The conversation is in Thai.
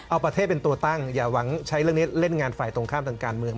เอาประเทศเป็นตัวตั้งอย่าหวังใช้เรื่องนี้เล่นงานฝ่ายตรงข้ามทางการเมือง